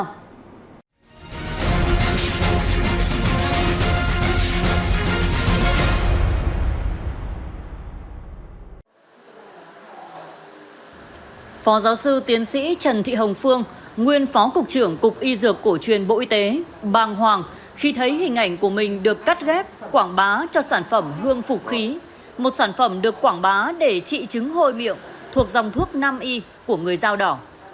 tiến sĩ trần thị hồng phương nguyên phó cục y dược cổ truyền bộ y tế bàng hoàng khi thấy hình ảnh của mình được cắt ghép quảng bá cho sản phẩm hương phục khí một sản phẩm được quảng bá để trị trứng hôi miệng thuộc dòng thuốc năm y của người dao đỏ